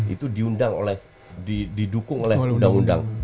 itu diundang oleh didukung oleh undang undang